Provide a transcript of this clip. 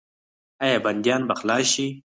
آیا بندیان به خلاص شي؟